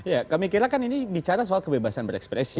ya kami kira kan ini bicara soal kebebasan berekspresi